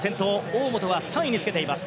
大本は３位につけています。